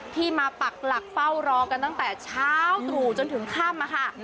ที่มาปักหลักเฝ้ารอกันตั้งแต่เช้าตรู่จนถึงค่ำค่ะ